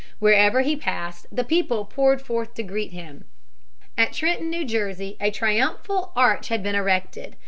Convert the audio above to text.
Wherever he passed the people poured forth to greet him. At Trenton, New Jersey, a triumphal arch had been erected.